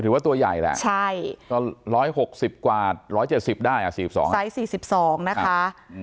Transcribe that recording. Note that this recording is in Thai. หรือว่าตัวใหญ่แหละใช่ก็ร้อยหกสิบกว่าร้อยเจ็ดสิบได้อ่ะสี่สิบสองสายสี่สิบสองนะคะ